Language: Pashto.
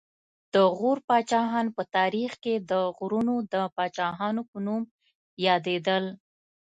د غور پاچاهان په تاریخ کې د غرونو د پاچاهانو په نوم یادېدل